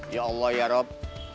ya allah ya rab